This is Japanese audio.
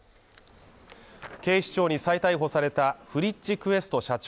警視庁に再逮捕されたフリッチクエスト社長